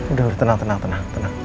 udah harus tenang tenang tenang